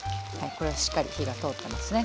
これはしっかり火が通ってますね。